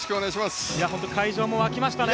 本当、会場も沸きましたね。